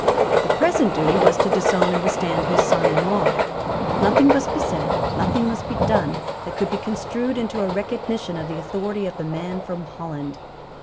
The present duty was to disown and withstand his son in law. Nothing must be said, nothing must be done that could be construed into a recognition of the authority of the man from Holland.